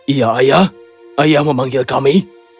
iya ayah ayah memanggil kami